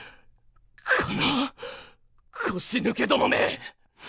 この腰抜け共め。